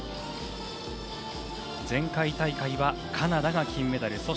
前回大会はカナダが金メダル。